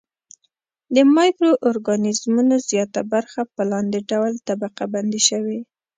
د مایکرو ارګانیزمونو زیاته برخه په لاندې ډول طبقه بندي شوې.